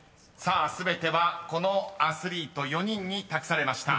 ［全てはこのアスリート４人に託されました］